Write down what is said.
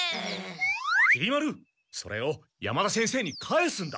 きり丸それを山田先生に返すんだ。